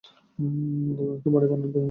নতুন একটা বাড়ি বানানোর মতো!